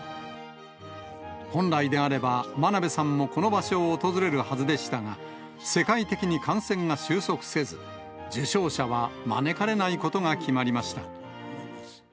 本来であれば、真鍋さんもこの場所を訪れるはずでしたが、世界的に感染が収束せず、受賞者は招かれないことが決まりました。